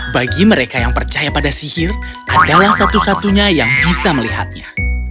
bagi mereka yang percaya pada sihir adalah satu satunya yang bisa melihatnya